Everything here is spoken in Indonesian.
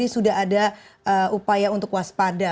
sudah ada upaya untuk waspada